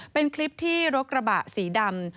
เป็นคลิปที่รถกระบะสีดำ